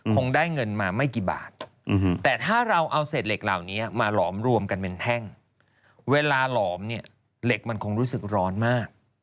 คงได้เงินมาไม่กี่บาทแต่ถ้าเราเอาเศษเหล็กเหล่านี้มาหลอมรวมกันเป็นแท่งเวลาหลอมเนี่ยเหล็กมันคงรู้สึกร้อนมาก